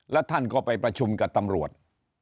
แล้วท่านก็ไปประชุมกับตำรวจ